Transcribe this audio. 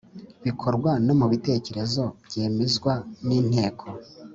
bikorwa no mu bitekerezo bemezwa n inteko